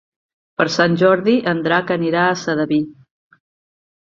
Per Sant Jordi en Drac anirà a Sedaví.